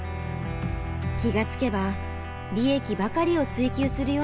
気が付けば利益ばかりを追求するようになっていました。